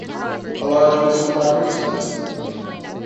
A large pistol primer is used.